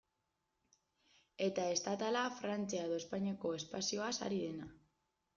Eta estatala, Frantzia edo Espainiako espazioaz ari dena.